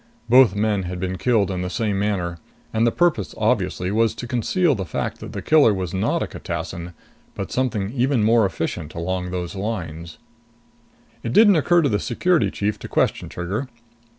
Both men had been killed in that manner; and the purpose obviously was to conceal the fact that the killer was not a catassin, but something even more efficient along those lines. It didn't occur to the Security chief to question Trigger.